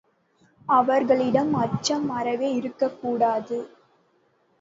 அவர்களிடம் அச்சம் அறவே இருக்கக் கூடாது.